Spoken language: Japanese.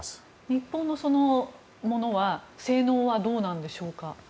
日本のものは性能はどうなんでしょうか。